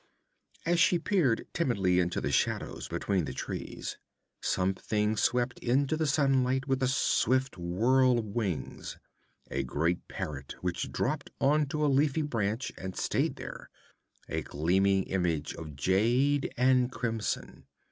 As she peered timidly into the shadows between the trees, something swept into the sunlight with a swift whirl of wings: a great parrot which dropped on to a leafy branch and swayed there, a gleaming image of jade and crimson.